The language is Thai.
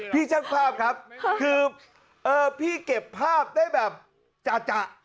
พี่ช่างภาพครับคือพี่เก็บภาพได้แบบจา